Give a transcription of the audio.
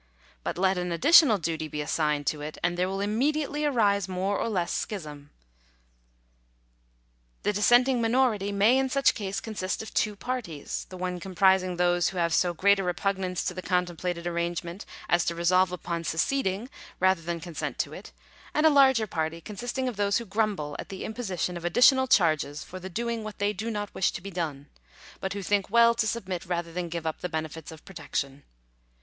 But let an additional duty be as signed to it, and there will immediately arise more or less schism. The dissenting minority may in such case consist of two parties; the one comprising those who have so great a repugnance to the contemplated arrangement, as to resolve upon seceding rather than consent to it ; and a larger party consisting of those who grumble at the imposition of addi tional charges for the doing what they do not wish to be done, but who think well to submit rather than give up the benefits of protection.